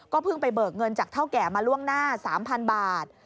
เพิ่งไปเบิกเงินจากเท่าแก่มาล่วงหน้า๓๐๐๐บาท